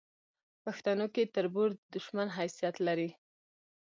پښتنو کې تربور د دوشمن حیثت لري